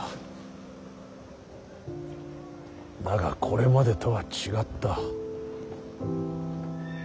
だがこれまでとは違った。